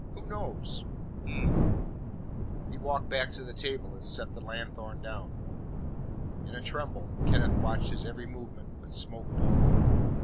Who knows? Hum!" He walked back to the table and set the lanthorn down. In a tremble, Kenneth watched his every movement, but spoke no word.